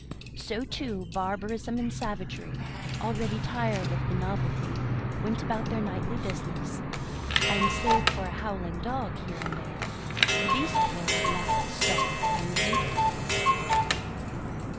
So, too, barbarism and savagery, already tired of the novelty, went about their nightly business, and, save for a howling dog here and there, the beast world left the star unheeded.